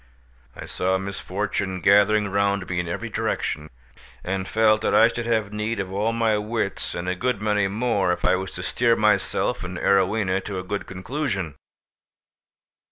I saw misfortune gathering round me in every direction, and felt that I should have need of all my wits and a good many more, if I was to steer myself and Arowhena to a good conclusion.